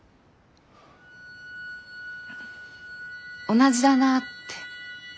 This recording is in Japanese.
同じだなって。